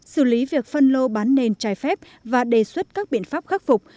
xử lý việc phân lô bán nền trái phép và đề xuất các biện pháp khắc phục